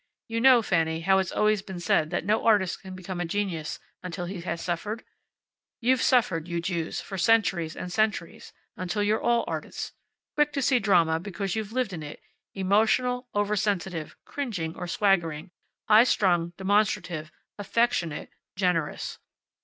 You know, Fanny, how it's always been said that no artist can became a genius until he has suffered. You've suffered, you Jews, for centuries and centuries, until you're all artists quick to see drama because you've lived in it, emotional, oversensitive, cringing, or swaggering, high strung, demonstrative, affectionate, generous.